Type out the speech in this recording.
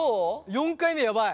４回目ヤバい。